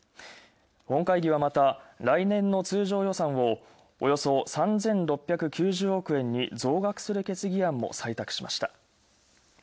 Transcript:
本会議はまた、来年の通常予算をおよそ３６９０億円に増額する決議案も採択しました。